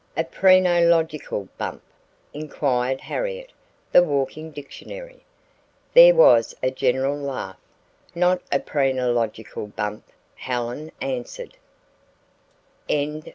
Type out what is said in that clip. "A phrenological bump?" inquired Harriet, the "walking dictionary." There was a general laugh. "Not a phrenological bump," Helen answered.